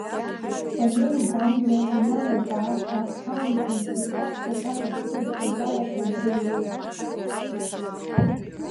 Валери Гамгиа иналукааша ҳаамҭазтәи аԥсуа сахьаҭыхыҩцәа ҿарацәа дреиуоуп.